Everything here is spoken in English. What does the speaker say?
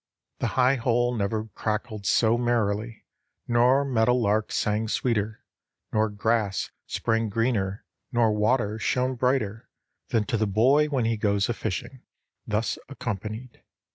The high hole never cackled so merrily, nor meadow lark sang sweeter, nor grass sprang greener nor water shone brighter than to the boy when he goes a fishing thus accompanied.